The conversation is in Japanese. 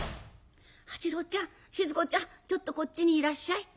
「八郎ちゃん静子ちゃんちょっとこっちにいらっしゃい。